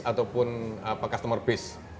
ataupun customer base